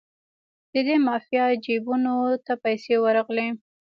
د دې مافیا جیبونو ته پیسې ورغلې.